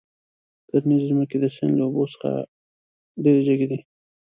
کرنيزې ځمکې د سيند له اوبو ډېرې جګې دي.